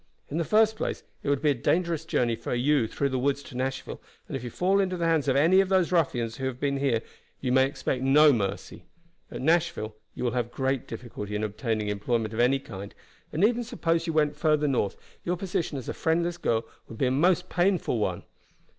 In the first place it would be a dangerous journey for you through the woods to Nashville and if you fall into the hands of any of those ruffians who have been here you may expect no mercy. At Nashville you will have great difficulty in obtaining employment of any kind and even suppose you went further north your position as a friendless girl would be a most painful one.